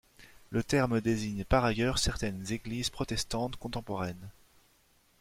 Le terme désigne par ailleurs certaines Églises protestantes contemporaines.